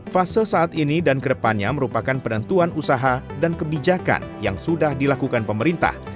fase saat ini dan kedepannya merupakan penentuan usaha dan kebijakan yang sudah dilakukan pemerintah